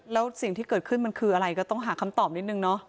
แล้วสิ่งที่เกิดขึ้นมันคืออะไรก็ต้องหาคำตอบนิดนึงเนาะ